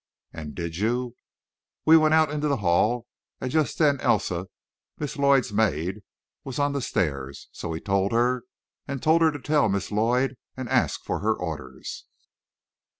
"And did you?" "We went out in the hall, and just then Elsa, Miss Lloyd's maid, was on the stairs. So we told her, and told her to tell Miss Lloyd, and ask her for orders.